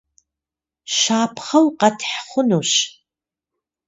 Щапхъэу къэтхь хъунущ.